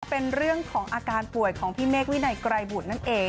เป็นเรื่องของอาการป่วยของพี่เมฆวินัยไกรบุตรนั่นเอง